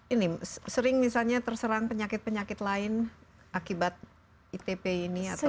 ini sering misalnya terserang penyakit penyakit lain akibat itp ini atau